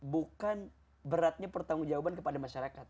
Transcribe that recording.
bukan beratnya pertanggung jawaban kepada masyarakat